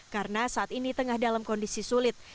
karena saat ini tengah dalam kondisi sulit